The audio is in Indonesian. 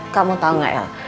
kamu tau gak el